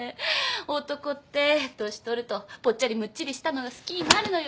男って年取るとぽっちゃりむっちりしたのが好きになるのよ。